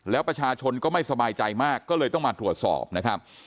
แล้วประชาชนก็ไม่สบายใจมากก็เลยต้องมาตรวจสอบนะครับ